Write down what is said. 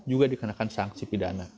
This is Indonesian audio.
juga dikenakan sanksi pidana